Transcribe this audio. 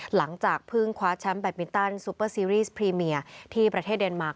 หลังจากเพิ่งคว้าแชมป์แบตมินตันซูเปอร์ซีรีสพรีเมียที่ประเทศเดนมาร์